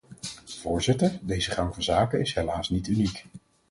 Voorzitter, deze gang van zaken is helaas niet uniek.